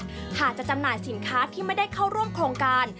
หากจะจำหน่ายสินค้าที่ไม่ได้เข้าร่วมโครงการ